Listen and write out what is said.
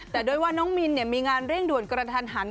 แต่ด้วยว่าน้องมินมีงานเร่งด่วนกระทันหัน